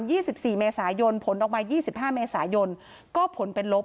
ี่สิบสี่เมษายนผลออกมายี่สิบห้าเมษายนก็ผลเป็นลบ